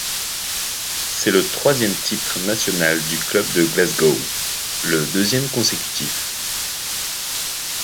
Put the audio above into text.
C’est le troisième titre national du club de Glasgow, le deuxième consécutif.